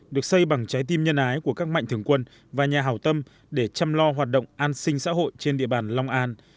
được xây bằng trái tim nhân ái của các mạnh thường quân và nhà hảo tâm để chăm lo hoạt động an sinh xã hội trên địa bàn long an